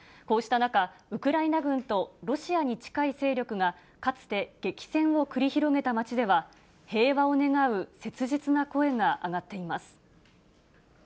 こうした中、ウクライナ軍とロシアに近い勢力が、かつて激戦を繰り広げた街では、平和を願う切実な声が上がっています。